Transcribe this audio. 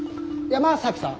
山崎さん。